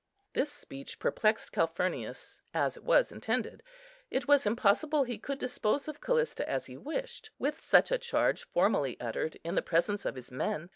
This speech perplexed Calphurnius, as it was intended. It was impossible he could dispose of Callista as he wished, with such a charge formally uttered in the presence of his men.